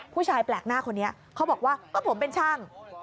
ผู้ชายแปลกหน้าคนนี้เขาบอกว่าก็ผมเป็นช่าง